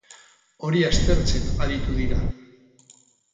Hori aztertzen aritu dira.